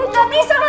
udah gak bisa ma